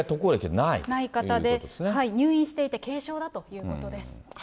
ない方で、入院していて、軽症だということです。